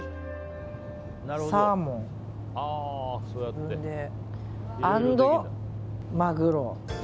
サーモン、アンド、マグロ。